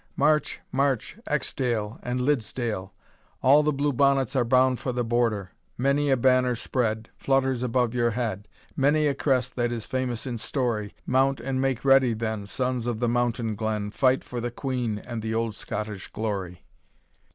March, march, Eskdale and Liddesdale, All the Blue Bonnets are bound for the Border Many a banner spread, Flutters above your head, Many a crest that is famous in story; Mount and make ready then, Sons of the mountain glen, Fight for the Queen and the old Scottish glory!